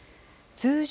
通常、